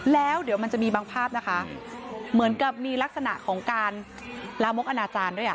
แล้วเดี๋ยวมันจะมีบางภาพนะคะเหมือนกับมีลักษณะของการลามกอนาจารย์ด้วยอ่ะ